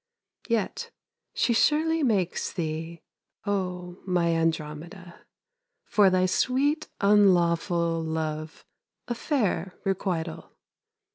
Yet she surely makes thee, O my Andromeda, For thy sweet unlawful Love a fair requital.